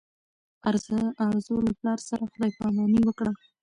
ارزو له پلار سره خدای په اماني وکړه.